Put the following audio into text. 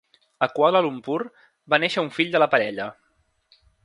A Kuala Lumpur, va néixer un fill de la parella.